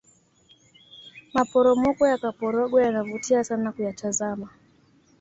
maporomoko yakaporogwe yanavutia sana kuyatazama